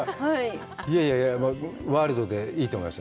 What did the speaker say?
いやいや、ワールドでいいと思います。